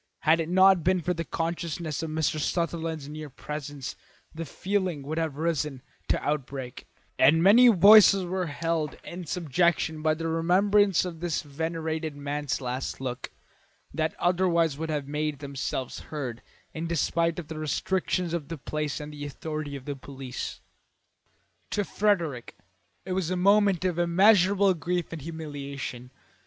Had it not been for the consciousness of Mr. Sutherland's near presence the feeling would have risen to outbreak; and many voices were held in subjection by the remembrance of this venerated man's last look, that otherwise would have made themselves heard in despite of the restrictions of the place and the authority of the police. To Frederick it was a moment of immeasurable grief and humiliation.